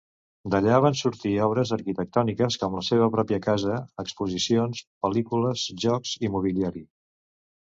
D'allà van sortir obres arquitectòniques com la seva pròpia casa, exposicions, pel·lícules, jocs i mobiliari.